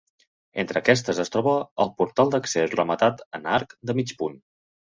Entre aquestes es troba el portal d'accés rematat en arc de mig punt.